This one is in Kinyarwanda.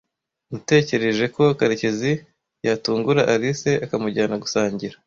Natekereje ko Karekezi yatungura Alice akamujyana gusangira.